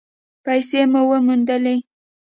پیسې مو وموندلې؟